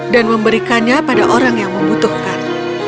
dan memberikannya pada orang yang membutuhkan